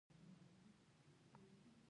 باران د افغان کلتور په داستانونو کې راځي.